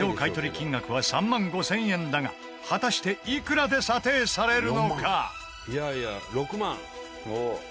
金額は３万５０００円だが果たしていくらで査定されるのか？